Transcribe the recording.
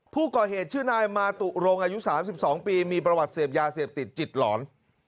ผู้ก่อเหตุชื่อนายมาตุรงอายุ๓๒ปีมีประวัติเสพยาเสพติดจิตหลอน